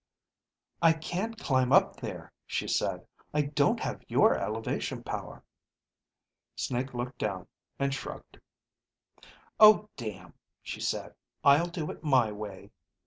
"I can't climb up there," she said, "I don't have your elevation power." Snake looked down and shrugged. "Oh damn," she said. "I'll do it my way."